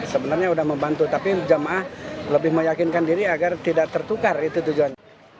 sebenarnya sudah membantu tapi jemaah lebih meyakinkan diri agar tidak tertukar itu tujuan